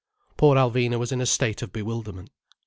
Poor Alvina was in a state of bewilderment.